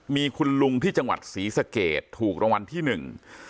มีคุณลุงที่จังหวัดศรีสะเกดถูกรางวัลที่หนึ่ง